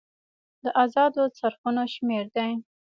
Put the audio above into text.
د ازادو څرخونو شمیر دی.